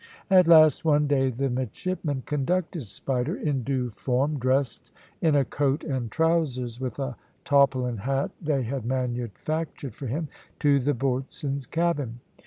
At last, one day, the midshipmen conducted Spider in due form, dressed in a coat and trousers, with a tarpaulin hat they had manufactured for him, to the boatswain's cabin.